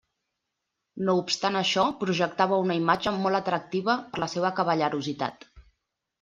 No obstant això, projectava una imatge molt atractiva per la seva cavallerositat.